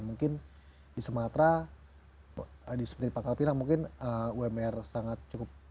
mungkin di sumatera seperti pangkal pinang mungkin umr sangat cukup